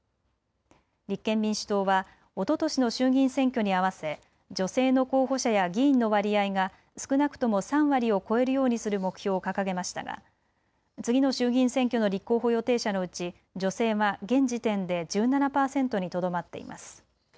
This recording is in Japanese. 立憲民主党はおととしの衆議院選挙に合わせ女性の候補者や議員の割合が少なくとも３割を超えるようにする目標を掲げましたが次の衆議院選挙の立候補予定者のうち女性は現時点で１７％にとどまっています。